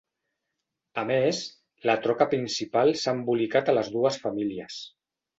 A més, la troca principal s'ha embolicat a les dues famílies.